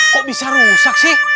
kok bisa rusak sih